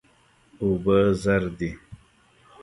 اوبه زر دي.